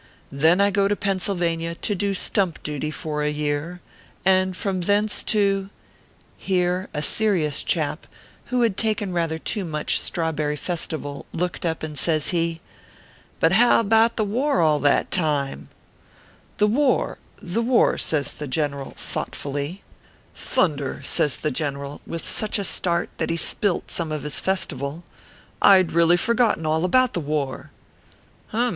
Then I go to Pennsylvania to do stump duty for a year ; and from thence, to " Here a serious chap, who had taken rather too much Strawberry Festival, looked up, and says he :" But how about the war all that time ?"" The war ! the war I" says the general, thought 368 OKPHEUS C. KERR PAPERS. fully. " Thunder !" says the general, with such a start that he spilt some of his Festival, " I d really forgotten all about the war !"" Hum